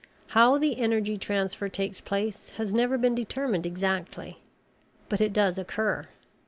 How the energy transfer takes place has never been determined exactly, but it does occur.